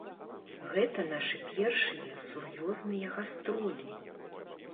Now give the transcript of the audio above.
Гэта нашы першыя сур'ёзныя гастролі!